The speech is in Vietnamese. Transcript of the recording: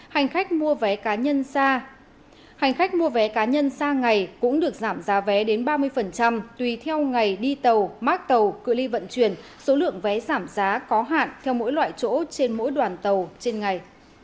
hành khách mua vé cá nhân xa ngày cũng được giảm giá vé đến ba mươi tùy theo ngày đi tàu mắc tàu cư ly vận chuyển số lượng vé giảm giá có hạn theo mỗi loại chỗ trên mỗi đoàn tàu trên ngày